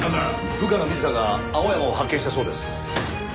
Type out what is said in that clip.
部下の水田が青山を発見したそうです。